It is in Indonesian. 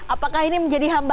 apakah ini menjadi hamba